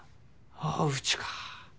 あぁうちか。